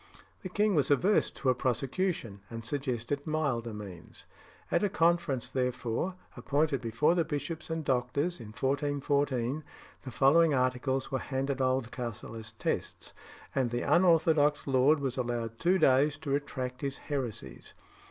The king was averse to a prosecution, and suggested milder means. At a conference, therefore, appointed before the bishops and doctors in 1414, the following articles were handed Oldcastle as tests, and the unorthodox lord was allowed two days to retract his heresies.